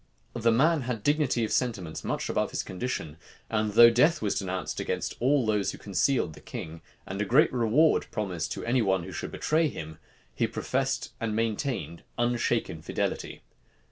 The man had dignity of sentiments much above his condition, and though death was denounced against all who concealed the king, and a great reward promised to any one who should betray him, he professed and maintained unshaken fidelity.